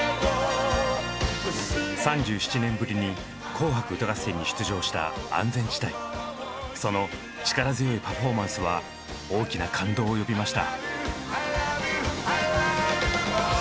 ３７年ぶりに「紅白歌合戦」に出場したその力強いパフォーマンスは大きな感動を呼びました。